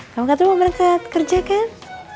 kamu katanya mau berangkat kerja kan